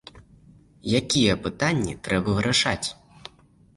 Якія пытанні трэба вырашаць?